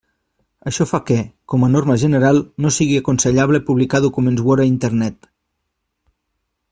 Això fa que, com a norma general, no sigui aconsellable publicar documents Word a Internet.